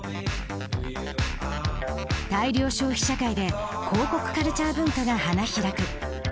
大量消費社会で広告カルチャー文化が花開く。